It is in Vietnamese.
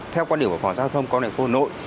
theo quan điểm của phòng xã hội thông công an